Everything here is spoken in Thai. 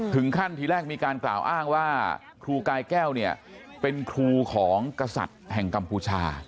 ขั้นทีแรกมีการกล่าวอ้างว่าครูกายแก้วเนี่ยเป็นครูของกษัตริย์แห่งกัมพูชา